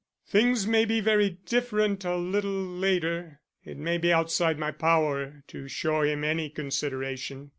Things may be very different a little later it may be outside my power to show him any consideration.